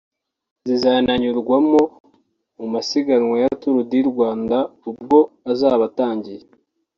zizananyurwamo mu masiganwa ya Tour du Rwanda ubwo izaba itangiye